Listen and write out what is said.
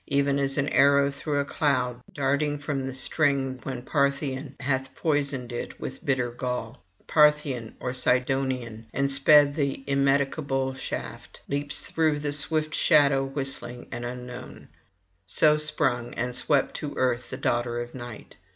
Even as an arrow through a cloud, darting from the string when Parthian hath poisoned it with bitter gall, Parthian or Cydonian, and sped the immedicable shaft, leaps through the swift shadow whistling and unknown; so sprung and swept to earth the daughter of Night.